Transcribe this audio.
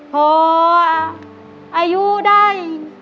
พออายุได้